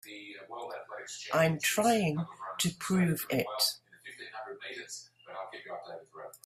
I'm trying to prove it.